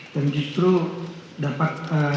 dan justru dapat